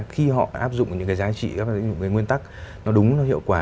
khi họ áp dụng những giá trị các nguyên tắc đúng hiệu quả